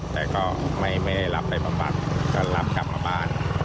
แต่ก็ไม่ได้รับไปบำบัดก็รับกลับมาบ้าน